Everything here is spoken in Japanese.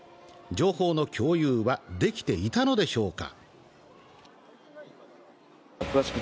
情報の共有はできていたのでしょうか。